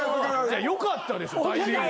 ・よかったでしょ。